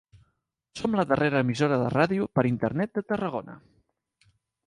Som la darrera emissora de ràdio per internet de Tarragona.